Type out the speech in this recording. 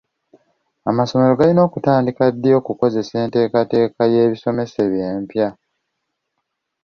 Amasomero galina kutandika ddi okukozesa enteekateeka y'ebisomesebwa empya?